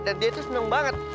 dan dia itu seneng banget